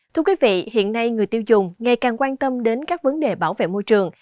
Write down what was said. thưa quý vị hiện nay người tiêu dùng ngày càng quan tâm đến các vấn đề bảo vệ môi trường